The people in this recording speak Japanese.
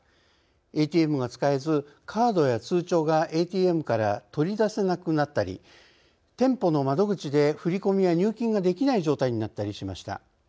ＡＴＭが使えずカードや通帳がＡＴＭから取り出せなくなったり店舗の窓口で振り込みや入金ができない状態になったりしました。